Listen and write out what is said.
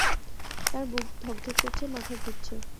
তাঁর বুক ধকধক করছে, মাথা ঘুরছে।